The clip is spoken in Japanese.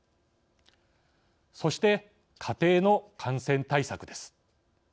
そして家庭の感染対策です。